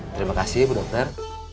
terima kasih bu dokter